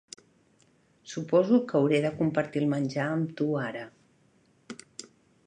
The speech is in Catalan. Suposo que hauré de compartir el menjar amb tu ara.